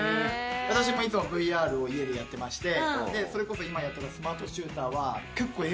私もいつもＶＲを家でやっていましてそれこそ今やってたスマートチューターは。